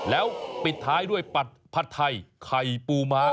แล้วปิดท้ายด้วยผัดผัดไทยไข่ปูม้า